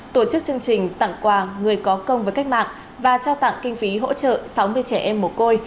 tổ chức chương trình tặng quà người có công với cách mạng và trao tặng kinh phí hỗ trợ sáu mươi trẻ em mồ côi